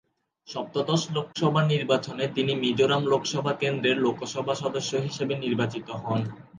সপ্তদশ লোকসভা নির্বাচনে তিনি মিজোরাম লোকসভা কেন্দ্রের লোকসভা সদস্য হিসেবে নির্বাচিত হন।